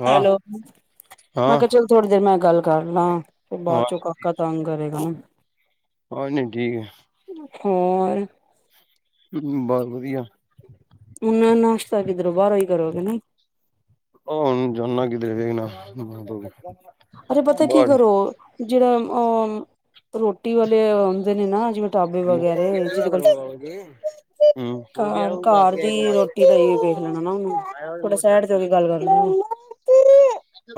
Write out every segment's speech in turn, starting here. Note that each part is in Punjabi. ਹਾਂ ਹੈਲੋ ਮੈਂ ਹਾਂ ਕਿਹਾ ਚਲੋ ਥੋੜੀ ਦੇਰ ਮੈਂ ਗੱਲ ਕਰਨਾਂ। ਫਿਰ ਹਾਂ ਬਾਅਦ ਚੋਂ ਕਾਕਾ ਤੰਗ ਕਰੇਗਾ। ਹੋਰ ਨੀ ਠੀਕ ਹੈ। ਹੋਰ? ਬਸ ਵਧੀਆ। ਉਹਨਾਂ ਨਾਸ਼ਤਾ ਕਿੱਧਰੋਂ ਬਾਹਰੋਂ ਹੀ ਕਰੋਗੇ ਨਾ। ਉਹਹ ਚਨਗਦ ਵੇ ਨਾ। ਅਰੇ ਪਤਾ ਕੀ ਕਰੋ ਜਿਹੜਾ ਅ ਰੋਟੀ ਵਾਲੇ ਆਉਦੇ ਨੇ ਨਾ ਜਿਵੇਂ ਢਾਬੇ ਕਰ ਵਗੈਰਾ ਜਿਹਦੇ ਕੋਲ ਬਾ ਜੀ ਘਰ ਉਹ ਆ। ਨੂੰ ਥੋੜੇ ਸ਼ਹਿਡ ਤੇ ਹੋ ਕੇ ਗੱਲ ਕਰ ਲ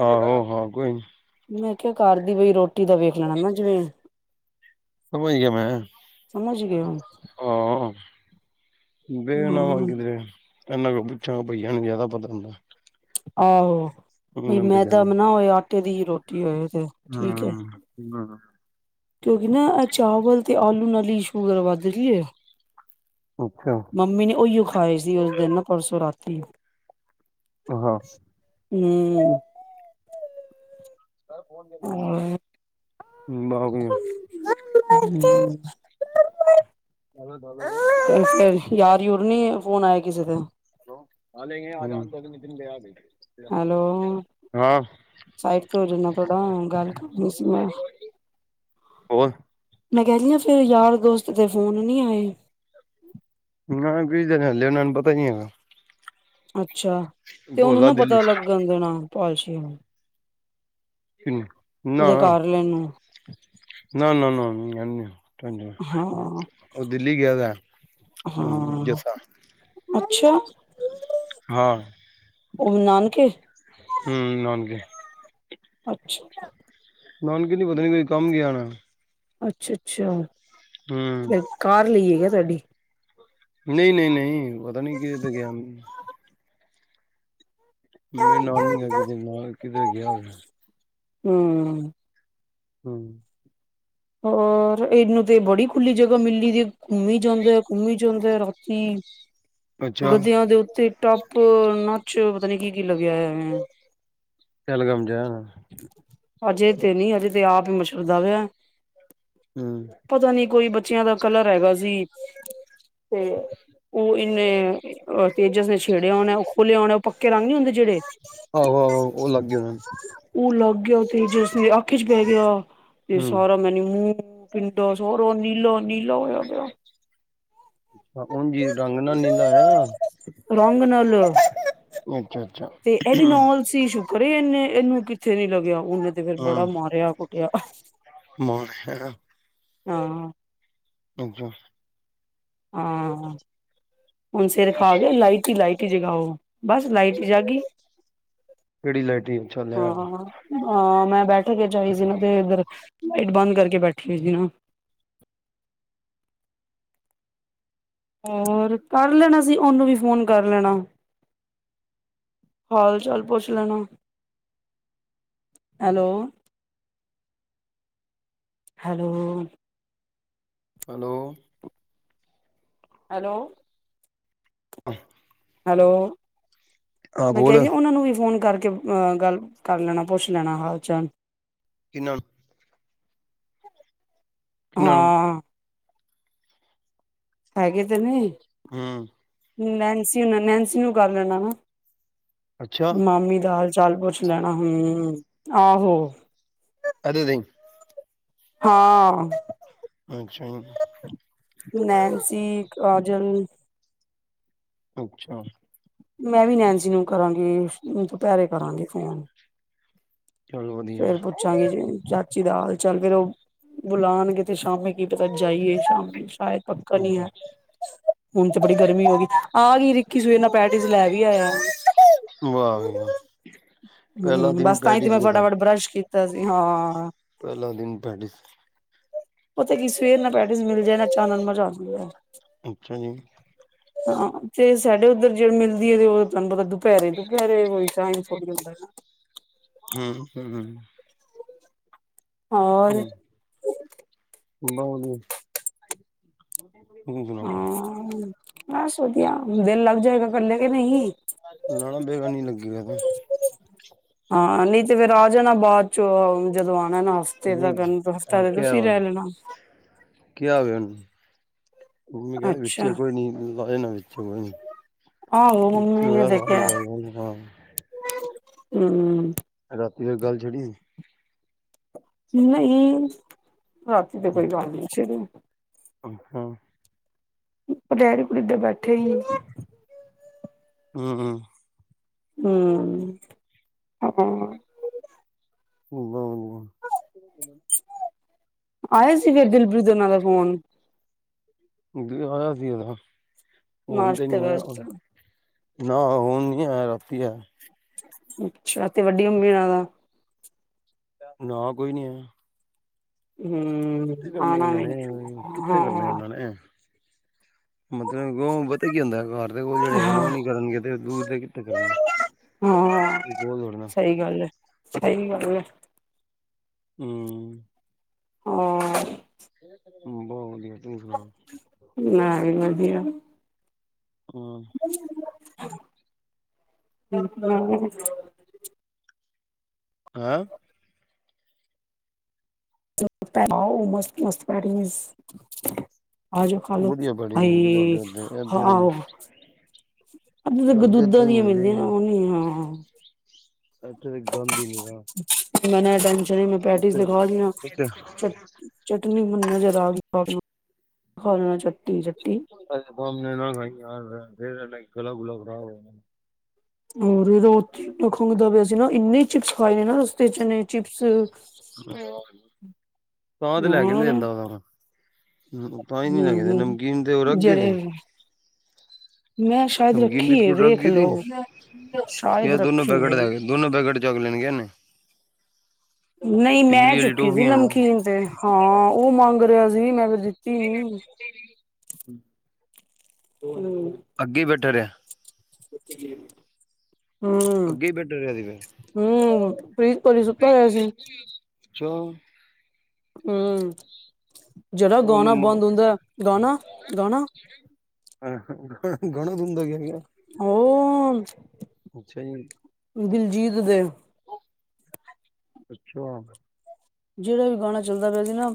ਆਹੋ ਹਾਂ ਕੋਈ ਮੈਂ ਕਿਹਾ ਘਦੀ ਪਈ ਰੋਟੀ ਟਟੀ ਦਾ ਵੇਖ ਲੈਣਾ ਨਾ ਜਿਵੇਂ ਸਮਝ ਗਿਆ। ਮੈਂ ਸਮਝ ਗਏ ਹੋ ਹ ਬੇ ਨਾ ਹੁਣ ਹਾਂ ਕਿਧਰੇ। ਇਹਨਾਂ ਕੋ ਪੁੱਛਾਂ ਗਾ। ਭਈਆਂ ਨੂੰ ਜ਼ਿਆਦਾ ਪਤਾ ਹੁੰਦਾ। ਆਹੋ। ਉਹਨਾਂ ਬ ਨੂੰ ਮੈਂ ਤਾਂ ਬਨਾ ਹੋਇਆ ਆੁਟੇ ਦੀ ਹੀ ਰੋਟੀ ਹੋਏ। ਤੇ ਠੀਕ ਹੈ ਹਾਂ। ਕਿਉਂਕਿ ਨਾ ਚਾਵਲ। ਤੇ ਆਲੂ ਨਾਲੀਸ਼ੂ [inaudible] ਕਰਵਾ ਦੇ ਲਈਏ ਅੱਛਾ ਮੰਮੀ ਨੇ ਉਹੀਯੋ। ਖਾਏ ਸੀ ਉਸ ਦਿਨ ਪਰਸੋਂ ਰਾਤੀ। ਹਾ। ਹਮ। ਹਮ ਬਹ ਕਿ। ਹਮ। ਯਾਰ ਯੂਰਨੀ ਫੋਨ ਆਇਆ ਕਿਸੇ ਦੇ? ਲੋ ਨਾਲੇ ਆ ਦਿਨ ਲ ਆ ਗਈ ਹੈਲੋ ਸਾਈਟ ਤੇ ਹੋ ਜਾਓ ਨਾ ਥੋਹੜਾ ਗੱਲ ਕਰਨੀ ਸੀ ਮੈਂ। ਹੋਰ ਮੈਂ ਕਹਿਦੀ ਆ ਫੇਿਰ ਯਾਰ ਦੋਸਤ ਦੇ ਫੋਨ ਨੀ ਆਏ? ਨਾ ਕੁਝ ਦੇ ਹੱਲਿਆ ਉਹਨਾਂ ਨੂੰ ਪਤਾ ਹੀ ਨ ਹੈਗਾ। ਅੱਛਾ। ਅੱਛਾ ਤੇ ਉਹਨੂੰ ਬੋਲਾ ਨਾ ਦਿੱਲੀ ਪਤਾ ਲੱਗਣ ਦੇਣਾ। ਪਾਲਸ਼ ਚਨ। ਨਾ ਉਹਦੇ ਕਰ ਲੈ ਨੂੰ। ਨਾ-ਨਾ ਨਾ। ਹਾਂ ਉਹ ਦਿੱਲੀ ਗਿਆ ਦਾ। ਹਾਂ ਜੱਸਾ ਅੱਛਾ ਹਾਂ ਉਹ ਵੀ ਨਾਨਕੇ। ਹਮ ਨਾਨਕੇ। ਅੱਛਾ। ਨਾਨਕ ਨੀ ਪਤਾ ਨੀ ਕੋਈ ਕੰਮ ਗਿਆਣਾ ਅੱਛਾ-ਅੱਛਾ। ਕਾਰ ਲਈਏ। ਓਹ ਥੋਡੀ ਨਹੀਂ -ਨਹੀਂ- ਨਹੀਂ ਪਤਾ ਨਹੀਂ ਕਹਿਦੇ ਤੇ ਗਿਆ। ਮੇਰੇ ਨਾਲ ਨੀ ਹੈ ਕਿਧਰੇ ਨਾਲ ਕਿਧਰੇ ਗਿਆ ਹੋ। ਹੂੰ, ਹੂੰ, ਹੋਰ ਔਰ ਇਹਨੂੰ ਤੇ ਬੜੀ ਖੁੱਲੀ ਜਗ੍ਹਾ ਮਿਲੀ ਘੁੰਮੀ ਜਾਂਦਾ ਐ ਘੁੰਮੀ ਜਾਂਦਾ ਰਾਤੀ ਅੱਛਾ ਗੱਦਿਆਂ ਦੇ ਉੱਤੇ ਟੱਪ ਨੱਚ ਪਤਾ ਨੀ ਕੀ -ਕੀ ਲੱਗਿਆ ਹੈਂ ਇਹਨਾਂ ਦੇ ਪਹਿਲਗਾਮ ਜਾ ਆਵਾਂ ਮੈਂ ਹਜੇ ਤੇ ਨੀ ਹਜੇ ਤੇ ਆਪ ਹੀ ਮਛਰਦਾ ਪਿਆ। ਹੂੰ ਪਤਾ ਨੀ ਕੋਈ ਬੱਚਿਆਂ ਦਾ ਕਲਰ ਹੈਗਾ ਸੀ। ਤੇ ਉਹ ਇੰਨੇ ਤੇਜਸ ਨੇ ਛੇੜਿਆ ਹੋਣਾ ਉਹ ਖੋਲਿਆ ਹੋਣਾ ਉਹ ਪੱਕੇ ਰੰਗ ਨੀ ਹੁੰਦੇ ਜਿਹੜੇ ਆਹੋ ਆਹੋ ਉਹ ਲੱਗ ਗਿਆ ਹੋਣਾ ਉਹ ਲਾਗੇ ਤੇ ਜੇ ਅਸੀ ਅੱਖ ਚ ਪੈ ਗਿਆ। ਹੂੰ, ਮੈ ਮੂੰਹ ਪਿੰਡੋ ਸਾਰਾ ਨੀਲੋ ਨੀਲਾ ਹੋਇਆ ਪਿਆ, ਉਂਝ ਰੰਗ ਨਾਲ ਨੀਲਾ ਆ ਰੰਗ ਨਾਲ ਚਲੋ, ਹੂੰ, ਤੇ ਇਹ ਵੀ ਨਾਲ ਸੀ ਸ਼ੁਕਰ ਐ ਇਹਨੇ ਇਹਨੂੰ ਕਿੱਥੇ ਨੀ ਲੱਗਿਆ। ਉਹਨੇ ਫਿਰ ਬੜਾ ਹੂੰ ਮਾਰਿਆ ਕੁੱਟਿਆ ਟਿਆ [unintelligible] ਹਾਂ, ਅੰਹਾ, ਹਾਂ, ਹੁਣ ਸਿਰ ਖਾ ਗਿਆ ਲਾਈਟ ਹੀ ਲਾਈਟ। ਕਰੇਗਾ ਓਹ ਬਸ ਲਾਈਟ ਜਾਗੀ। ਕਿਹੜੀ ਲਾਈਟੀ ਅੱਛਾ ਲੈ ਹਾਂ, ਹਾਂ, ਮੈਂ ਬੈਠ ਕੇ ਜਾਏ ਸੀ ਨਾ ਦੇ ਇੱਧਰ ਲਾਈਟ ਬੰਦ ਕਰਕੇ ਬੈਠੀ ਹੋਈ ਸੀ ਨਾ। ਹੋਰ ਕਰ ਲੈਣਾ ਸੀ ਉਹਨੂੰ ਵੀ ਫੋਨ ਕਰ ਲੈਣਾ ਹਾਲ- ਚਾਲ ਪੁੱਛ ਲੈਣਾ, ਹੈਲੋ -ਹੈਲੋ, ਹੈਲੋ, ਹੈਲੋ, ਅਹਂ। ਹੈਲੋ, ਮੈਂ ਕਿਹਾਹਿ ਬੋਲ ਜ ਉਹਨਾਂ ਨੂੰ ਵੀ ਫੋਨ ਕਰਕੇ ਕੇ ਅ ਗੱਲ ਕਰ ਲੈਣਾ ਪੁੱਛ ਲੈਣਾ ਹਾਲ ਚ। ਕਿਨਾ ਨੂੰ ਕਿਹਨਾਂ ਨੂੰ ਹਾਂ। ਹ ਦ ਨੇ ਹਾਂ। ਨੈਨਸੀ ਨੈਨਸੀ ਨੂੰ ਕਰ ਲੈਣਾ ਵ। ਅੱਛਾ ਮਾਮੀ ਦਾਲ। ਚੱਲ ਪੁੱਛ ਲੈਣਾ ਹਮ ਆਹੋ। ਅ ਦੇ ਹਾਂ। ਅੱਛਾ ਜੀ, ਨੈਨਸੀ। ਰਾਜਨ। ਅੱਛਾ। ਮੈਂ ਵੀ ਨੈਨਜੀ ਨੂੰ ਕਰਾਂਗੀ। ਦੁਪਹਿਰੇ ਕਰਾਂਗੇ ਫੋਨ ਚਲੋ ਵਧੀਆ ਫੇਰ ਪੁੱਛਾਂਗੀ ਜੀ। ਚਾਚੀ ਦਾ ਹਾਲ ਚਾਲ ਫੇਰ ਉਹ ਬੁਲਾਨ ਕਿਤੇ ਸ਼ਾਮੇ ਕੀ ਪਤਾ ਜਾਈਏ। ਸ਼ ਸ਼ਾਇਦ। ਪੱਕਾ ਨੀ ਵਾਹ ਹੈ ਜੀ ਹੁਣ ਚ ਬੜੀ ਗਰਮੀ ਹੋ ਗਈ ਆ ਗਈ। ਕਿਸ ਇਹ ਨਾ ਪੈਟ ਚ ਲੈ ਵੀ ਆਇਆ। ਵ ਵ। ਹਮ ਬਸ ਤਾਂਹੀ ਤੇ ਮੈਂ ਫਟਾਫਟ ਬਰਸ਼ ਕੀਤੀ ਤਾਂਸੀ ਹਾਂ। ਪਹਿਲਾਂ ਦਿਨ ਭੈਡੀ ਉਹ ਤੇ ਕੀ ਸਵੇਰ ਨਾ ਪੈਰਿਸ ਮਿਲ ਜਾਏ ਨਾ ਚਚਾਨਨ ਮਜ਼ਾਉਂਦੀ ਹੈ। ਅੱਛਾ ਜੀ। ਹਾਂ ਤੇ ਸਾਡੇ ਉੱਧਰ ਜਿਹੜ ਮਿਲਦੀ ਹੈ ਤੇ ਉਹ ਤੁਹਾਨੂੰ ਪਤਾ ਦੁ ਪਰੇਦੇ ਪੇਰੇ ਉਹਈ ਸਾ ਚੋਦਾ। ਹਮ ਹਮ ਹਮ। ਰ। ਬਹੁ ਨ ਹਾਂ ਬਸ ਵਧਆ ਦੇੱ ਜਾਏਗਾ ਕਰਨਾ ਕੇ ਨਹੀਂ। ਲਾਣਾ ਬੇਗਾ ਨੀ ਲਗੇ ਗਾ ਨਾ ਹਾਂ ਨਹੀਂ ਤੇ ਫਿਰ ਆ ਜਾਣਾ ਬਾਅਦ ਚ ਜਦੋਂ ਆਉਣਾ ਨਾ ਹਫ਼ਤੇ ਦਾ ਨਹੀਂ ਹਫ਼ਤਾ ਆ ਤੇ ਕਿਆ ਤੁਸੀਂ ਰਹਿ ਲੈਣਾ। ਉਹ ਵੀ ਕਹਿੰਦੇ ਵਿੱਚ ਅੱਛਾ ਕੋਈ ਨੀ ਲਾਏ ਨਾ ਵਿੱਚ ਕੋਈ ਨੀ ਆਹੋ ਇ ਮੰਮੀ ਨੇ ਹੋਇਆ ਸ ਤੇ [unintelligible] ਹਮ ਰਾਤੀ ਮ ਗੱਲ ਛੇੜੀ ਸੀ ਨਹੀਂ ਰਾਤੀ ਤੇ ਕੋਈ ਗੱਲ ਨਹੀ ਛੇੜੀ ਮੈਂ ਆਹ ਹਾਂ ਪਟਹਿਰੇ ਪੂਰੇ ਦੇ ਬੈਠੇ ਹੀ ਹਮ ਹਮ ਹਮ ਹਾ [unintelligible] ਆਏ ਸੀ ਫਿਰ ਦਿਲਪ੍ਰੀਤ ਹੋਣਾ ਦਾ ਫ਼ੋਨ ਆਇਆ ਸੀ ਨਾ ਨਾਸਤੇ ਵਿੱਚ ਨਾ ਹੁਣ ਨੀ ਆਇਆ ਰਾਤੀ ਆਇਆ ਅੱਛਾ ਤੇ ਵੱਡੀ ਮੰਮੀ ਨਾਂ ਦਾ ਨਾ ਕੋਈ ਨੀ ਆਇਆ ਹਮ ਕਿੱਥੇ ਕਰਨੇ ਆਣਾ ਉਹਨਾਂ ਵਿ ਨੀ ਨੇ ਕਿੱਥੇ ਕਰਨੇ ਹਾਂ ਉਹਨਾਂ ਨੇ ਮਤਲਬ ਪਤਾ ਕੀ ਹੁੰਦਾ ਘਰ ਦੇ ਕੋਲ ਜਿਹੜੇ ਹੈਗੇ ਨੇ ਹਾਂ ਉਹ ਨੀ ਕਰਨਗੇ ਤੇ ਦੂਰ ਦੇ ਕਿੱਥੇ ਕਰਨਗੇ ਹਾਂ ਸਹੀ ਗੱਲ ਹੈ ਸਹੀ ਗੱਲ ਹੈ। ਹਮ ਹਮ ਹਮ ਬਹੁਤ ਵਧੀਆ ਤੂੰ ਸੁਣਾ ਨਾ ਵਧੀਆ ਹ [unintelligible] ਹਮ ਹਮ ਹਮ ਹੈਂ ਹਾਓ ਮਸਤ ਮਸਤ ਪੈਟੀਜ਼ ਆ ਜਾ ਖਾ ਲੋ ਵਧੀਆ ਬੜੀ ਮਿਲਦੀ ਭਾਈ ਤੁਹਾਡੇ ਉੱਥੇ ਇੱਥੇ ਤੇ ਆਏ ਅੱ ਤੁਹਾਡੇ ਦੁਧਾਂ ਇੱਥੇ ਦੀਆਂ ਮਿਲਦੀ ਮਿਲਦੀਆਂ ਉਹਨੇ [inaudible] ਐਥੇ ਤਾਂ ਗੰਦ ਹੀ ਨਿਰਾ ਮਨਦਾ ਨੀ, ਮੈਂ ਪੈਟੀਸ ਲਗਾ ਲਿਆ ਇੱਥੇ ਇੱਥੇ ਚਟਨੀ ਨਜ਼ਰ ਆ ਗਈ। [unintelligible] ਬਸ ਬਹੁਤ, ਯਾਰ ਫਿਰ ਇਹ ਗਲਾ ਗੁਲਾ ਖ਼ਰਾਬ ਹੋਇਆ। ਹੋਰ ਰਾਤੀ ਏਨਾ ਖੰਘਦਾ ਪਿਆ ਸੀਂ ਨਾ ਇੰਨੀ ਚਿਪਸ ਖਾਏ ਦੇ ਨਾ ਰਸਤੇ ਚ ਏਨੇ ਤਾਂ ਤੇ ਲੈ ਕੇ ਨੀ ਹੋਰ ਦਿੰਦਾ ਉਹਨਾਂ ਨੂੰ, ਤਾਂ ਹੀ ਨੀ ਲੇਕੇ ਹੂੰ, ਦਿੰਦਾ ਨਮਕੀਨ ਤੇ ਉਹ ਰੱਖ ਗਏ ਜਿਹੜੇ ਤੇ, ਮੈਂ ਸ਼ਾਇਦ ਰੱਖੀ ਹੈ ਵੇਖ ਲੋ ਸ਼ਾਇਦ ਰੱਖੀ ਹੈ। [unintelligible] ਲੈਣ ਗਏ ਨੇ ਨਹੀਂ ਮੈਂ ਚੁੱਕੀ ਸੀ ਨਮਕੀਨ ਤੇ ਹਾਂ। ਉਹ ਮੰਗ ਰਿਹਾ ਸੀ ਮੈਂ, ਦਿੱਤੀ ਨੀ [unintelligible] ਹੂੰ, ਹੂੰ ਅੱਗੇ ਬੈਠੇ ਰਿਹਾ, [unintelligible] ਹੂੰ ਅੱਗੇ ਹੀ ਬੈਠਾ ਰਿਹਾ ਸੀ ਫਿਰ ਹੂੰ, ਫਰੀਜ਼ ਪਰੀ ਸੁੱਤਾ ਹੋਇਆ ਸੀ। ਅੱਛਾ ਹੂੰ ਜਿਹੜਾ ਗਾਣਾ ਉਹਨੂੰ ਬੰਦ ਹੁੰਦਾ ਗਾਣਾ ਗਾਣਾ, ਗਾਣਾ ਬੰਦ ਹੋ ਗਿਆ ਹੋਣਾ, ਉਹ ਅੱਛਾ ਜੀ ਦਿਲਜੀਤ ਦੇ, ਅੱਛਾ, ਜਿਹੜਾ ਵੀ ਗਾਣਾ ਚੱਲਦਾ ਪਿਆ ਸੀ ਨਾ,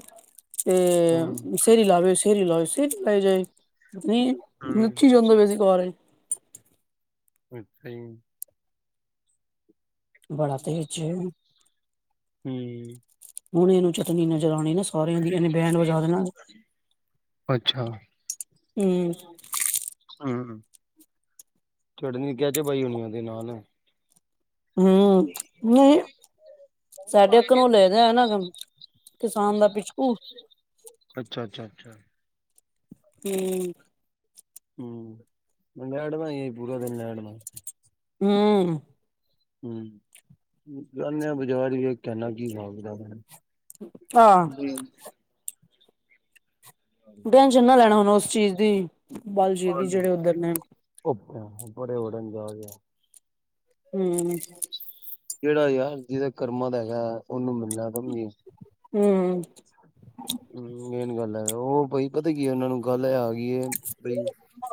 ਤੇ ਸਰੀ ਲਾਵੇ, ਸਰੀ ਲਏ ਸਰੀ ਹਿਲਾਈ ਜਾਏ ਨਹੀਂ ਹੂੰ ਨੱਚੀ ਜਾਂਦੇ ਸੀ ਸਾਰੇ [unintelligible] ਅੱਛਾ ਜੀ ਬੜਾ ਤੇਜ਼ ਚ ਹੂੰ ਹੁਣ ਇਹਨੂੰ ਚਟਨੀ ਨਜ਼ਰ ਆਣੀ ਨਾ। [unintelligible] ਇਨੇ ਬੈਂਡ ਵਜਾ ਦੇਣਾ ਅੱਛਾ ਹੂੰ ਹੂੰ ਚਟਨੀ ਕਹਿ ਚ ਬਾਈ ਹੋਣੀ ਉਹਦੇ ਨਾਲ, ਹੂੰ ਨਹੀਂ ਸਾਡੇ ਘਰੋ ਲੈ ਗਿਆ ਐ ਨਾ ਕਿਸਾਨ ਦਾ ਪਿਛਕੂ, ਅੱਛਾ ਅੱਛਾ ਅੱਛਾ ਹੂੰ। ਹੂੰ, ਲੜਦਾ ਪੂਰਾ ਦਿਨ ਲੜਦਾ ਹੂੰ। ਹੂੰ। ਗਾਨ ਆ ਬਜ਼ਾਰੀਏ। ਕਹਿੰਨਾ ਕੀ ਹੋ ਸਕਦਾ। ਆਹ। ਟੈਸ਼ਨ ਨਾ ਲੈਣਾ ਹੁਣ ਉਸ ਚੀਜ਼ ਦੀ ਬਲਜੀ ਦੀ ਜਿਹੜੇ ਉੱਧਰ ਨੇ ਆਹ ਬਰੇ ਉਡਨ ਜਾ ਹੂੰ। ਜਿਹੜਾ ਯਾਰ ਜਿਹਦਾ ਕਰਮਾਂ ਦਾ ਹੈਗਾ ਉਹਨੂੰ ਮਿਲਣਾ ਹੂੰ ਹੂੰ ਮੈਨ ਗੱਲ ਹੈ ਉਹ ਕੋਈ ਪਤਾ ਕੀ ਉਹਨਾ ਨੂੰ ਗੱਲ ਆ ਗਈ ਐ।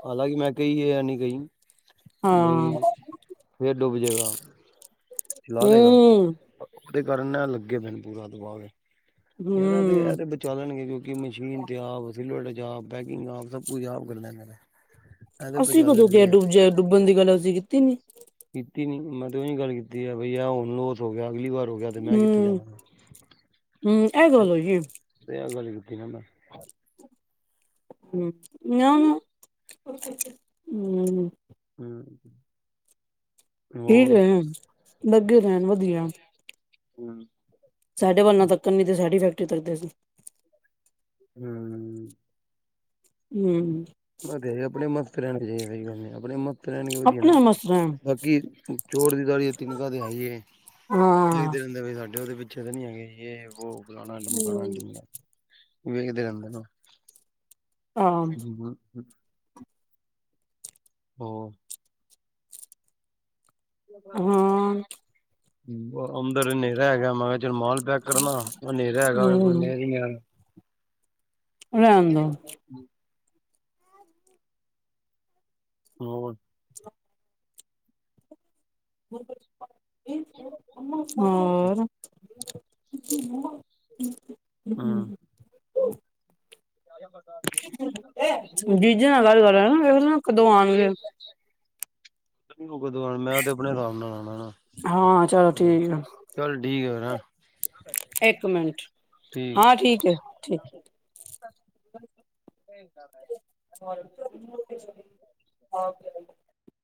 ਹਾਲਾਂਕਿ ਮੈਂ ਕਹੀ ਹੈ ਜਾਂ ਨਹੀਂ ਕਹੀ ਬਾਈ ਹਾਂ ਫੇਰ ਡੁੱਬ ਜੇਗਾ ਚਲਾ ਲਏਗਾ। ਹੂੰ ਓਦੇ ਕਾਰਨ ਲੱਗੇ ਪੈਨ ਪੂਰਾ ਦਬਾ ਕੇ ਯਾਰ ਤੇ ਹੂੰ ਇਹ ਤੇ ਬਚਾਲਣਗੇ ਕਿਉਂਕਿ ਮਸ਼ੀਨ ਤੇ ਆ ਬਿੰਗ ਆਪ ਸਭ ਕੁਝ ਕਰਨਾ ਪੈਣਾ ਏ ਅਸੀਂ ਕਦੋਂ ਗ ਡੁੱਬ ਡੁੱਬਣ ਦੀ ਗੱਲ ਅਸੀਂ ਕੀਤੀ ਨੀ। ਕੀਤੀ ਨੀ ਮੈਂ ਤੇ ਉਹੀ ਗੱਲ ਕੀਤੀ ਆ ਬਈ ਆ ਹੁਣ ਲੋਸ ਹੋ ਗਿਆ ਅਗਲੀ ਵਾਰ ਗਿਆ ਤੇ ਮੈਂ ਕਿੱਥੇ ਜਾਵਾਂ ਐ ਗੱਲ ਹੋਈ ਏ। ਗੱਲ ਕੀਤੀ ਨਾ ਮੈ ਹੂੰ, ਮੇ ਹੁੰ ਹੂੰ, ਠੀਕ ਐ ਲੱਗੇ ਰਹਿਣ ਵਧੀਆ। ਹੂੰ। ਸਾਡੇ ਵੱਲਣਾ ਤੱਕਣ ਨਹੀਂ ਤੇ ਸਾਡੀ ਫੈਕਟਰੀ ਤੱਕਦੇ ਸੀ। ਹੂੰ। ਹੂੰ। ਮ ਤੇ ਆਪਣੇ ਮੱਸਤ ਰਹਿਣ ਜੇਹੀੱਲ ਆਪਣੇ ਮ [inaudible] ਰਹਿਣਗੇ ਵਧੀਆ ਨਾ ਬਾਕੀ ਚੋਰ ਦੀ ਦਾੜੀ ਮੇ ਤਿੰਨਕਾ ਹੈਈ ਏ ਦੇਖਦੇ ਰਹਿੰਦੇ ਸਾਡੇ ਉਹਦੇ ਵਿੱਚ ਅੱਛੇ ਤਾਂ ਨਹੀਂ ਹੈ ਗ ਯੇ ਵੋ। ਡਕਾਣਾ ਡਮਕਾਉਣਾ [inaudible] ਡਮਣਾ ਵੇਖਦੇ ਰਹਿੰਦੇ ਨਾ ਹਾਂ, ਹ ਹਮ ਮ ਹੋਰ ਹਾਂ, ਹਮ [inaudible] ਹਮ [inaudible] ਅੰਦਰ ਹਨੇਰਾ ਹੈਗਾ ਮੈਂ ਕਿਹਾ ਚਲ ਮਾਲ ਪੈਕ ਕਰਨਾ ਉਹ ਹਨੇਰਾ ਹੈਗਾ ਕੋਈ ਹੂੰ ਨਜ਼ਰ ਹੀ ਨਹੀਂ ਆਯਾ ਰਹਿਣ ਕੀ ਦੋ। ਬੋਲਦਾ ਹੋਰ [inaudible] ਹੋਰ [inaudible] ਹਮ ਮ [unintelligible] ਜੀਜਾ [unintelligible] ਕਦੋਂ ਆਉਣਗੇ ਮੈਂ ਤੇ ਆਪਣੇ ਆਰਾਮ ਨਾਲ ਆਣਾ ਹਾਂ ਚਲੋ ਠੀਕ ਆ। ਚੱਲ ਠੀਕ ਆ ਫੇਰ ਹੈ ਇੱਕ ਮਿੰਟ ਠੀਕ ਹਾਂ ਹੈ ਠੀਕ। ਦਾਦਾ [inaudible]